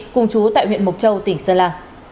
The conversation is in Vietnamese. cùng chú tại huyện mộc châu tỉnh sơn là